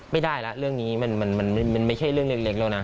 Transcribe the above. ไม่ได้แล้วเรื่องนี้มันไม่ใช่เรื่องเล็กแล้วนะ